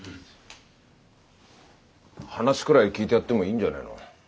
話くらい聞いてやってもいいんじゃねえの？